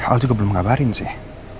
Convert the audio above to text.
aul juga belum mengabari sih